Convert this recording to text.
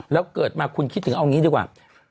แล้วเกิดมาคุณคิดถึงเอางี้ดีกว่า